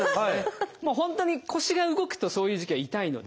本当に腰が動くとそういう時期は痛いので。